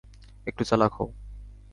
একটু চালাক হও!